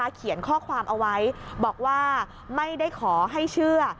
เขียนข้อความเอาไว้บอกว่าไม่ได้ขอให้เชื่อ